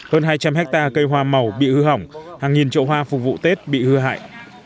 hơn hai trăm linh hectare cây hoa màu bị hư hỏng hàng nghìn chỗ hoa phục vụ tết bị hư hại